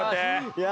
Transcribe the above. いや。